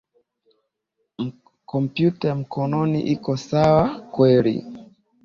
Kompyuta ya mkononi iko sawa kweli.